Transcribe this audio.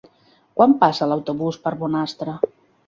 Quan passa l'autobús per Bonastre?